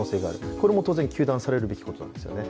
これも当然糾弾されるべきことなんですよね。